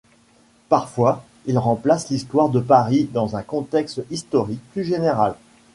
Parfois, il replace l'histoire de Paris dans un contexte historique plus général.